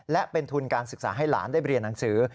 และเป็นทุนการศึกษาให้หลานได้เรียนหนังสือ